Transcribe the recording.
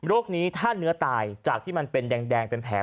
นี้ถ้าเนื้อตายจากที่มันเป็นแดงเป็นแผล